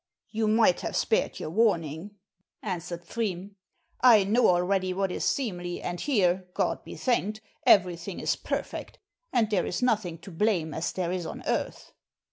"You might have spared your warning," answered Pfriem. "I know already what is seemly, and here, God be thanked, everything is perfect, and there is nothing to blame as there is on earth."